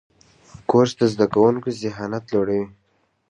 کورس د زده کوونکو ذهانت لوړوي.